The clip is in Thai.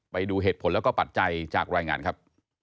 ไปดูเหตุผลแล้วก็ปัจจัยจากรายงานครับ